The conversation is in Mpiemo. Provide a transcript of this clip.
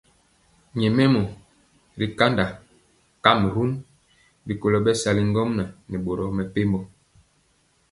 Nyɛmemɔ ri kanda kamrun rikolo bɛsali ŋgomnaŋ nɛ boro mepempɔ.